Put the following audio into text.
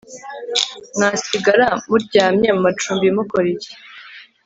mwasigara muryamye mu macumbi mukora iki